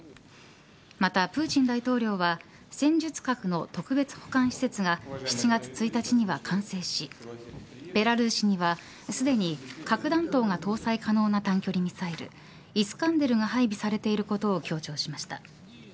また、プーチン大統領は戦術核の特別保管施設が７月１日には完成しベラルーシにはすでに核弾頭が搭載可能な短距離ミサイルイスカンデルが配備されていることを強調しました。